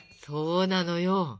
そうなのよ。